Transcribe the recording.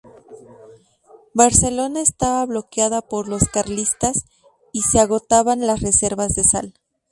Barcelona estaba bloqueada por los carlistas, y se agotaban las reservas de sal.